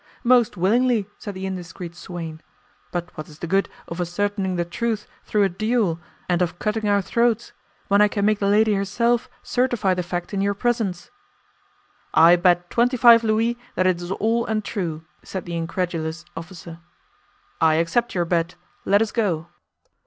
"'Most willingly,' said the indiscreet swain, 'but what is the good of ascertaining the truth through a duel and of cutting our throats, when I can make the lady herself certify the fact in your presence.' "'I bet twenty five louis that it is all untrue,' said the incredulous officer. "'I accept your bet. Let us go.